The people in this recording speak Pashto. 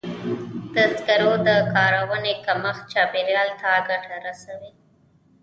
د سکرو د کارونې کمښت چاپېریال ته ګټه رسوي.